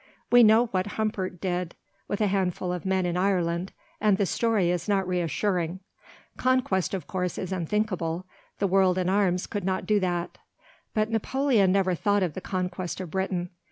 We know what Humbert did with a handful of men in Ireland, and the story is not reassuring. Conquest, of course, is unthinkable. The world in arms could not do that. But Napoleon never thought of the conquest of Britain.